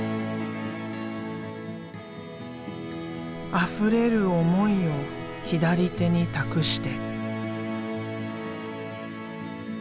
あふれる思いを左手に託して。